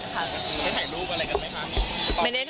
ถ่ายรูปอะไรกันไหมคะ